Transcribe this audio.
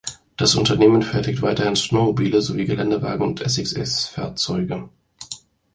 Das Unternehmen fertigt weiterhin Snowmobile sowie Geländewagen und SxS-Fahrzeuge.